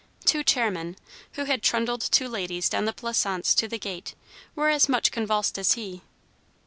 Two chairmen, who had trundled two ladies down the Plaisance to the gate, were as much convulsed as he.